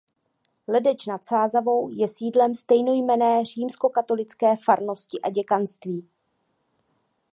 Ledeč nad Sázavou je sídlem stejnojmenné římskokatolické farnosti a děkanství.